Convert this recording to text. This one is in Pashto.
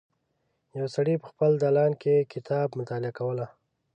یو سړی په خپل دالان کې کتاب مطالعه کوله.